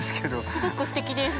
すごくすてきです。